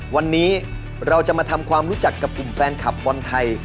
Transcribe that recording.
วันนี้เราจะมาทำความรู้จักกับกลุ่มแฟนคลับบอลไทย